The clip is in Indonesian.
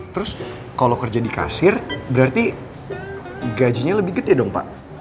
terus kalau kerja di kasir berarti gajinya lebih gede dong pak